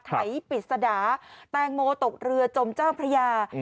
ไขปริศดาแตงโมตกเรือจมเจ้าพระยา